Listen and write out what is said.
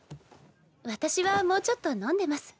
私はもうちょっと飲んでます。